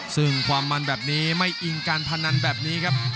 ซึ่งความมันแบบนี้ไม่อิงการพนันแบบนี้ครับ